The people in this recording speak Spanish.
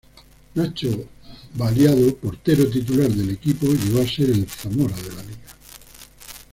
Nacho Vallado, portero titular del equipo, llego a ser el Zamora de la liga.